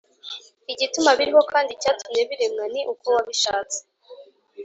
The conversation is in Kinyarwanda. Igituma biriho kandi icyatumye biremwa ni uko wabishatse.